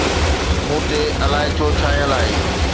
مون تي الائي ڇو ڇانيل آهي؟